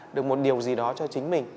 được một điều gì đó cho chính mình